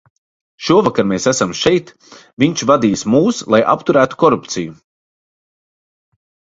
Šovakar mēs esam šeit, viņš vadīs mūs, lai apturētu korupciju.